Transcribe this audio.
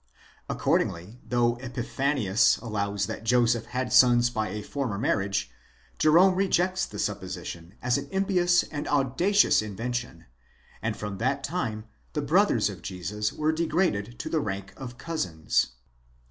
Accordingly, though Epiphanius allows that Joseph had sons by a former marriage, Jerome rejects the supposition as an impious and audacious inven tion ; and from that time the brothers of Jesus were degraded to the rank of cousins.